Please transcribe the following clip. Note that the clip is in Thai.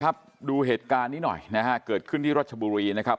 ดูเหตุการณ์นี้หน่อยนะฮะเกิดขึ้นที่รัชบุรีนะครับ